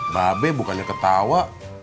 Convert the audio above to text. babe bukannya ketawa